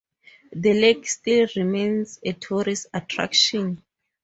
The lake still remains a tourist attraction.